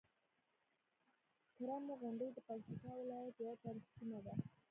کرمو غونډۍ د پکتيکا ولايت یوه تاريخي سيمه ده.